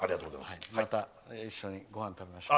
また一緒にごはんを食べましょう。